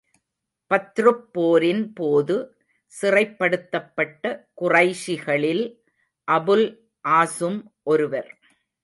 பத்ருப் போரின் போது சிறைப்படுத்தப்பட்ட குறைஷிகளில் அபுல் ஆஸூம் ஒருவர்.